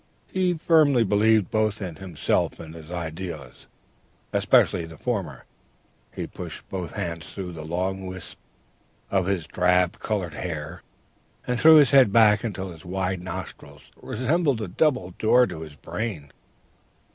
He firmly believed both in himself and his ideas, especially the former. He pushed both hands through the long wisps of his drab colored hair, and threw his head back until his wide nostrils resembled a double door to his brain.